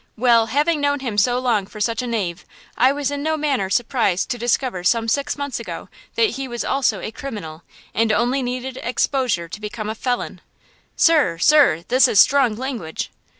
Well, having known him so long for such a knave, I was in no manner surprised to discover some six months ago that he was also a criminal, and only needed exposure to become a felon!" "Sir, sir! this is strong language!"